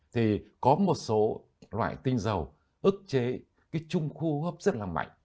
thì có một số loại tinh dầu ức chế cái trung khu hấp rất là mạnh